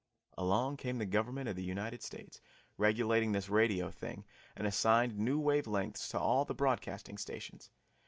Along came the Government of the United States, regulating this radio thing, and assigned new wave lengths to all the broadcasting stations.